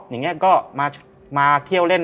อย่างนี้ก็มาเที่ยวเล่น